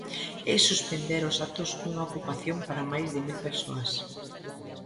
E suspender os actos cunha ocupación para máis de mil persoas.